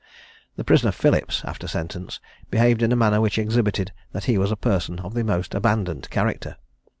The prisoner Phillips, after sentence, behaved in a manner which exhibited that he was a person of the most abandoned character.